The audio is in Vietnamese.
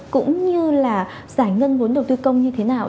cũng như là giải ngân vốn đầu tư công như thế nào